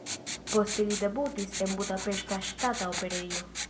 Poste li debutis en Budapeŝta Ŝtata Operejo.